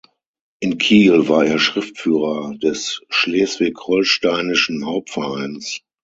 In Kiel war er Schriftführer des "Schleswig-Holsteinischen Hauptvereins".